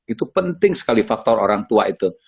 itu penting sekali faktor orang tua itu